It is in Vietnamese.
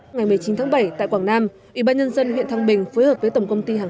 ngày một mươi chín tháng bảy tại quảng nam ủy ban nhân dân huyện thăng bình phối hợp với tổng công ty hàng